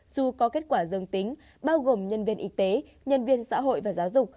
dù có kết quả dương tính bao gồm nhân viên y tế nhân viên xã hội và giáo dục